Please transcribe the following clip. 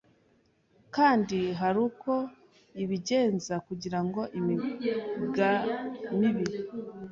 kandi hari uko ibigenza kugirango imigamibi